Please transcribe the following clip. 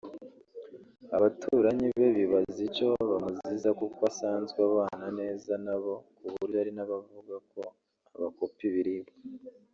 Abaturanyi be bibaza icyo bamuziza kuko asanzwe abana neza nabo ku buryo hari n’abavuga ko abakopa ibiribwa